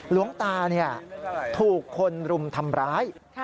หลวงตาถูกคนรุมทำร้าย